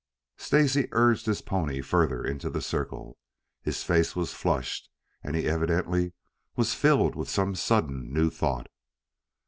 Stacy urged his pony further into the circle. His face was flushed and he evidently was filled with some sudden new thought.